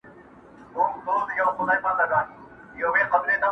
بیګا خوب وینم پاچا یمه سلطان یم,